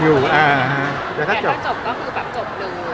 เราก็คงจะอยู่